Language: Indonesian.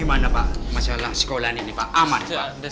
gimana pak masalah sekolah ini pak aman pak